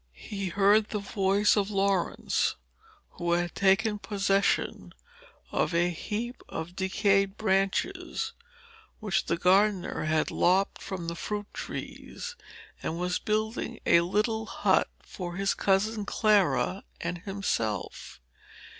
He heard the voice of Laurence, who had taken possession of a heap of decayed branches which the gardener had lopped from the fruit trees, and was building a little hut for his cousin Clara and himself.